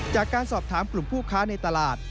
จากการสอบถามกลุ่มผู้ค้าในตลาด